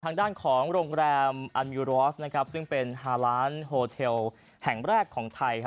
ทางด้านของโรงแรมอันมิวรอสซึ่งเป็นฮาล้านโฮเทลแห่งแรกของไทย